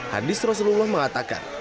hadis rasulullah mengatakan